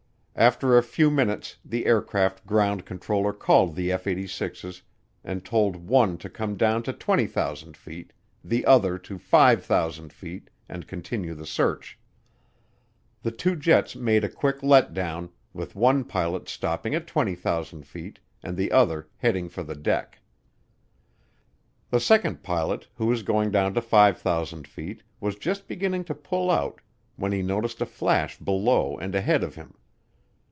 After a few minutes the aircraft ground controller called the F 86's and told one to come down to 20,000 feet, the other to 5,000 feet, and continue the search. The two jets made a quick letdown, with one pilot stopping at 20,000 feet and the other heading for the deck. The second pilot, who was going down to 5,000 feet, was just beginning to pull out when he noticed a flash below and ahead of him.